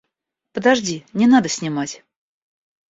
Подожди, не надо снимать.